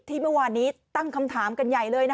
เมื่อวานนี้ตั้งคำถามกันใหญ่เลยนะ